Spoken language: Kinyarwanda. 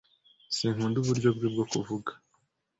Sinkunda uburyo bwe bwo kuvuga.